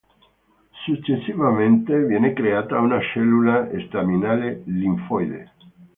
Successivamente viene creata una cellula staminale linfoide.